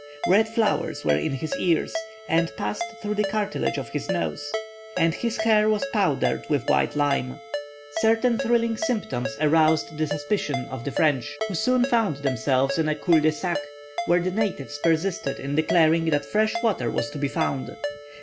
Red flowers were in his ears, and passed through the cartilage of his nose, and his hair was powdered with white lime." Certain trifling symptoms aroused the suspicions of the French, who soon found themselves in a cul de sac, where the natives persisted in declaring that fresh water was to be found.